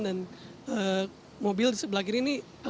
dan mobil di sebelah kiri ini akan berlangsung berapa lama